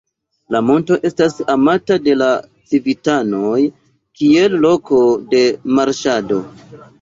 La monto estas amata de la civitanoj kiel loko de marŝado.